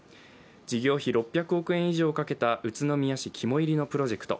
事業費６００億円以上をかけた宇都宮市肝煎りのプロジェクト。